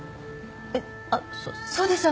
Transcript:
えっあっそうです。